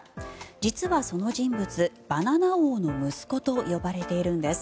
実はその人物、バナナ王の息子と呼ばれているんです。